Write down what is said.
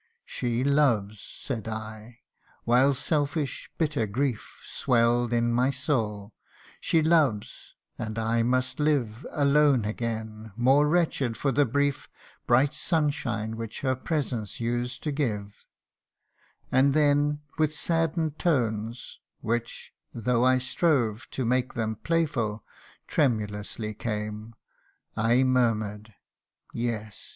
' She loves,' said I ; while selfish bitter grief Swell'd in my soul ;' she loves, and I must live Alone again, more wretched for the brief Bright sunshine which her presence used to give/ And then with sadden'd tones, (which, though I strove To make them playful, tremulously came) I murmur'd :' Yes